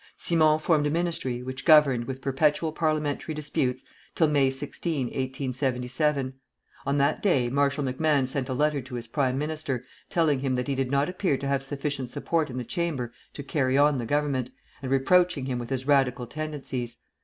Simon formed a ministry, which governed, with perpetual parliamentary disputes, till May 16, 1877. On that day Marshal MacMahon sent a letter to his prime minister, telling him that he did not appear to have sufficient support in the Chamber to carry on the government, and reproaching him with his Radical tendencies.